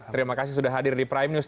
terima kasih sudah hadir di prime news